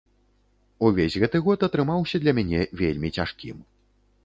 Увесь гэты год атрымаўся для мяне вельмі цяжкім.